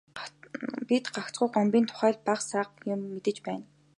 Бид гагцхүү Гомбын тухай л бага сага юм мэдэж байна.